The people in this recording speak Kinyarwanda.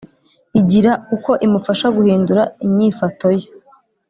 igira uko imufasha guhindura inyifato ye.